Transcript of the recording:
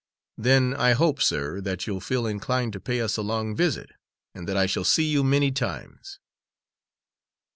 "Then I hope, sir, that you'll feel inclined to pay us a long visit and that I shall see you many times."